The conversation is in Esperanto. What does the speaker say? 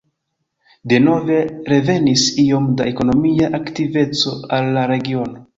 Denove revenis iom da ekonomia aktiveco al la regiono.